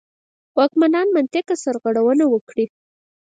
واکمنان منطقه سرغړونه وکړي.